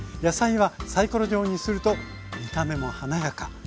野菜はサイコロ状にすると見た目も華やか。